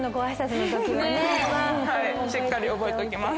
しっかり覚えときます。